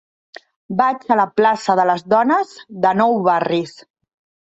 Vaig a la plaça de Les Dones de Nou Barris.